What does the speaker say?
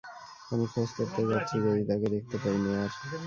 আমি খোঁজ করতে যাচ্ছি যদি তাকে দেখতে পাই মেয়ার!